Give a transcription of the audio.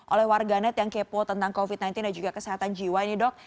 oleh warganet yang kepo tentang covid sembilan belas dan juga kesehatan jiwa ini dok